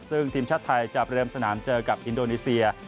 ซึ่งทีมชาติไทยจะประเดิมสนามเจอกับอินโดนีเซีย